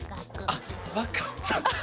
あ分かった。